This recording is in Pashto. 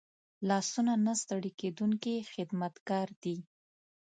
لاسونه نه ستړي کېدونکي خدمتګار دي